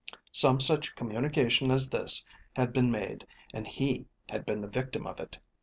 Some such communication as this had been made, and he had been the victim of it.